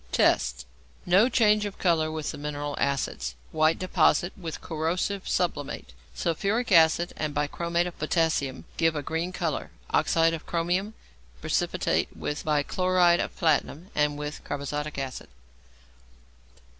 Tests. No change of colour with the mineral acids. White deposit with corrosive sublimate. Sulphuric acid and bichromate of potassium give a green colour, oxide of chromium. Precipitate with bichloride of platinum and with carbazotic acid.